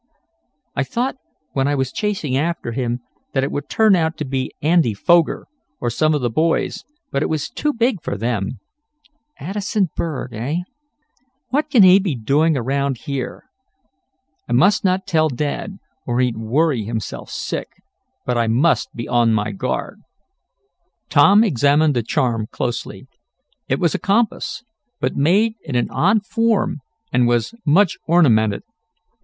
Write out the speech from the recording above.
I thought, when I was chasing after him, that it would turn out to be Andy Foger, or some of the boys, but it was too big for them. Addison Berg, eh? What can he be doing around here? I must not tell Dad, or he'd worry himself sick. But I must be on my guard." Tom examined the charm closely. It was a compass, but made in an odd form, and was much ornamented.